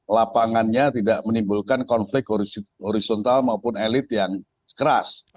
lapangannya tidak menimbulkan konflik horizontal maupun elit yang keras